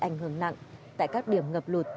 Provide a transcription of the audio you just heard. hưởng nặng tại các điểm ngập lụt